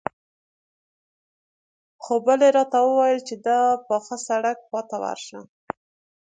خو بلې راته وويل چې د پاخه سړک خواته ورشه.